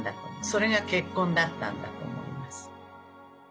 それが結婚だったんだと思います。